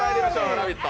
「ラヴィット！」